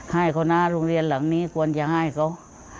ให้เขานะโรงเรียนหลังนี้ควรจะให้เขา